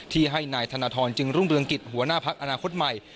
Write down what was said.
ที่ให้นายธนทรจึงรุ่งเรืองกิจหัวหน้าพักอนาคตใหม่